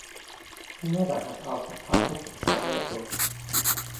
Pineda has also published several books.